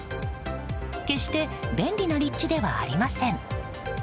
決して便利な立地ではありません。